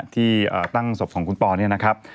ที่ตั้งศพของคุณปอเนี่ยนะครับ